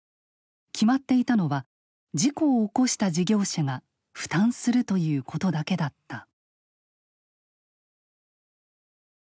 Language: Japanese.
決まっていたのは事故を起こした事業者が負担するということだけだった。